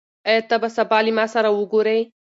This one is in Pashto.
آيا ته به سبا له ما سره وګورې؟